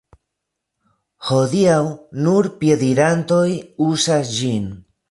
Hodiaŭ nur piedirantoj uzas ĝin.